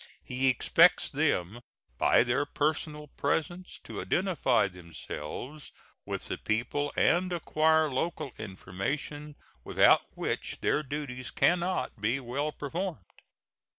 He expects them by their personal presence to identify themselves with the people and acquire local information, without which their duties can not be well performed.